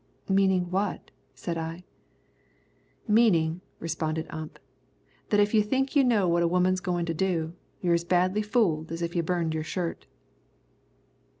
'" "Meaning what?" said I. "Meanin'," responded Ump, "that if you think you know what a woman's goin' to do, you're as badly fooled as if you burned your shirt."